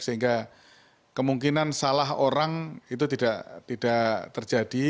sehingga kemungkinan salah orang itu tidak terjadi